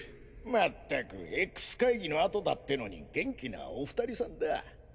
まったくＸ会議のあとだってのに元気なお二人さんだ。